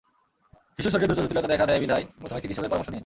শিশুর শরীরে দ্রুত জটিলতা দেখা দেয় বিধায় প্রথমেই চিকিৎসকের পরামর্শ নিন।